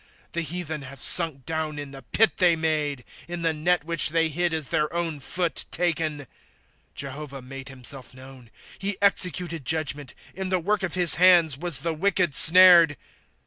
^^ The heathen have sunk down in the pit they made ; In the net which they hid is their own foot taken. ^'^ Jehovah made himself known ; he executed judgment ; In the work of his hands was the wicked snared.